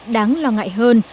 đáng lo ngại hơn